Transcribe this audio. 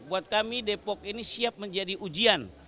buat kami depok ini siap menjadi ujian